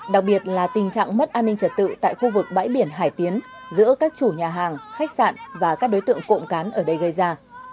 đặc biệt là tình trạng mất an ninh trật tự tại khu vực bãi biển hải tiến giữa các chủ nhà hàng khách sạn và các đối tượng cộng cán ở đây gây ra